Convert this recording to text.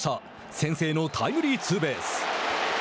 先制のタイムリーツーベース。